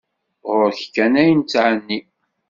Ɣur-k kan ay nettɛenni.